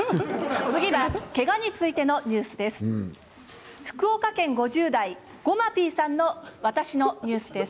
次はけがについてのニュースです。